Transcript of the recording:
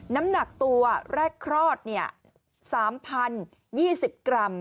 น้ำหนักตัวแรกคลอด๓๐๒๐กรัม